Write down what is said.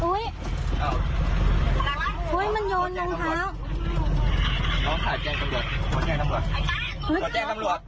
อุ้ยมันโยนลงเท้า